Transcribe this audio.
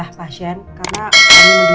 sisa sisa ka ber listri